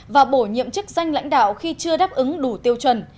và bổ nhiệm chức danh lãnh đạo khi chưa đáp ứng đủ tiêu chuẩn